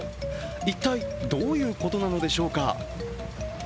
一体、どういうことなのでしょうか